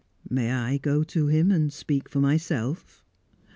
"May I go to him, and speak for myself?"